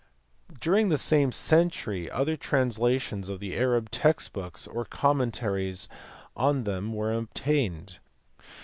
During the same century other translations of the Arab text books or commentaries on them were obtained.